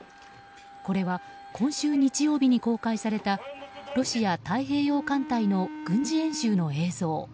これは今週日曜日に公開されたロシア太平洋艦隊の軍事演習の映像。